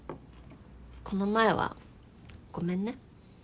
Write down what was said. この前はごめんね。